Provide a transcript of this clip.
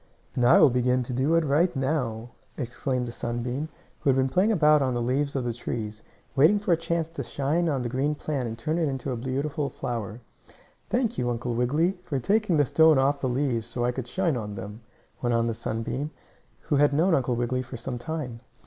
"And I will begin to do it right now!" exclaimed the sunbeam, who had been playing about on the leaves of the trees, waiting for a chance to shine on the green plant and turn it into a beautiful flower. "Thank you, Uncle Wiggily, for taking the stone off the leaves so I could shine on them," went on the sunbeam, who had known Uncle Wiggily for some time.